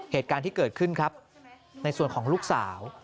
เหตุการณ์ที่เกิดขึ้นครับในส่วนของลูกสาว